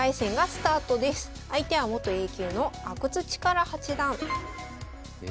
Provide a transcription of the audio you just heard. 相手は元Ａ級の阿久津主税八段。え。